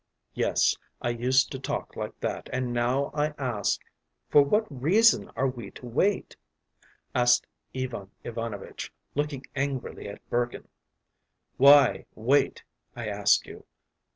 Yes, I used to talk like that, and now I ask, ‘For what reason are we to wait?’” asked Ivan Ivanovitch, looking angrily at Burkin. “Why wait, I ask you?